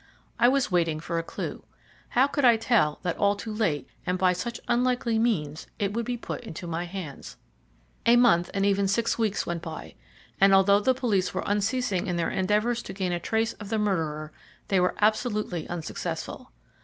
I was waiting for a clue. How could I tell that all too late and by such unlikely means it would be put into my hands? A month and even six weeks went by, and although the police were unceasing in their endeavours to gain a trace of the murderer, they were absolutely unsuccessful.